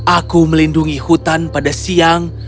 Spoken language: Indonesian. aku melindungi hutan pada siang